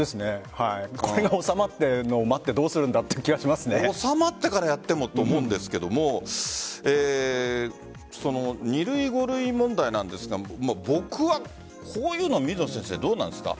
これが収まってるのを待っていてどうするの収まってから待ってもと思うんですが２類５類問題なんですが僕はこういうのどうなんですか。